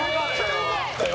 良かったよ。